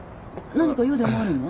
何か用でもあるの？